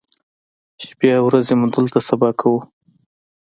شپې او ورځې مو دلته سبا کوو.